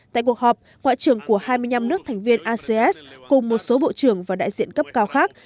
tại cuộc họp ngoại trưởng của hai mươi năm nước thành viên asean cùng một số bộ trưởng và đại diện cấp cao khác